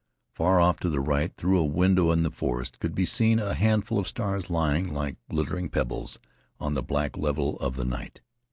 Far off to the right, through a window in the forest could be seen a handful of stars lying, like glittering pebbles, on the black level of the night.